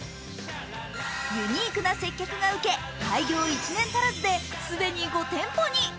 ユニークな接客が受け開業１年足らずで既に５店舗に。